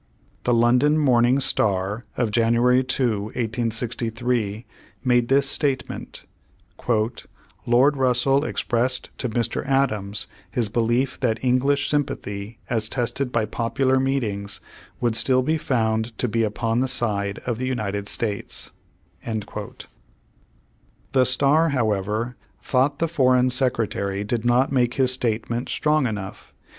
The London Morning Star of Jan. 2, 1863, made this statement : "Lord Russell expressed to Mr. Adams his belief that English sympathy as tested by popular meetings, would still be found to be upon the side of the United States." " The same, p. 834. Page One Hundred twenty seven The Stu)', however, thought the Foreign Secre tary did not make his statement strong enough.